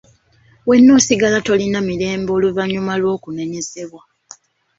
Wenna osigala nga tolina mirembe oluvannyuma lw'okunenyezebwa.